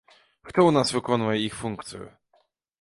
Хто ў нас выконвае іх функцыю?